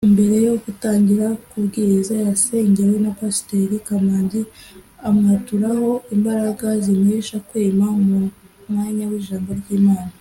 Mbere yo gutangira kubwiriza yasengewe na Pasiteri Kamanzi amwaturaho imbaraga zimuhesha kwema mu mwanya w’ijambo ry’Imana